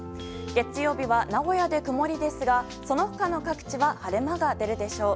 月曜日は名古屋で曇りですがその他の各地は晴れ間が出るでしょう。